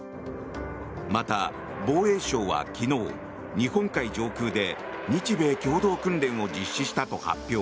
また、防衛省は昨日日本海上空で日米共同訓練を実施したと発表。